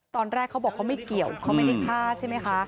ตอนแรกเขาบอกเขาไม่เกี่ยวเขาไม่ได้ฆ่าใช่ไหมคะ